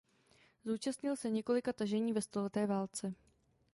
Zúčastnil se několika tažení ve stoleté válce.